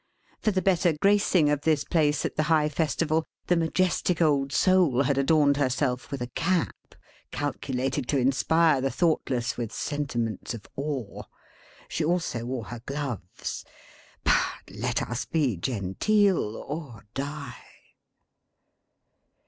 For the better gracing of this place at the high Festival, the majestic old Soul had adorned herself with a cap, calculated to inspire the thoughtless with sentiments of awe. She also wore her gloves. But let us be genteel, or die!